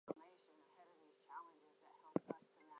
Amtrak displayed three Superliner cars.